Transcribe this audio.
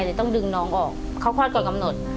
เลยต้องดึงน้องออกเขาคลอดก่อนกำหนด